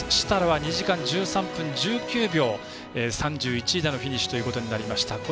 設楽は２時間１３分１９秒３１位でのフィニッシュということになりました。